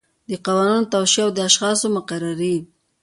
د قوانینو توشیح او د اشخاصو مقرري.